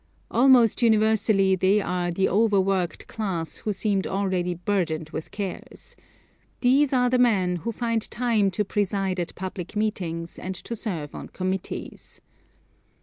Almost universally they are the over worked class who seem already burdened with cares. These are the men who find time to preside at public meetings, and to serve on committees.